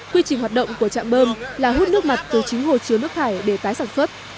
quy trình hoạt động của trạm bơm là hút nước mặt từ chính hồ chứa nước thải để tái sản xuất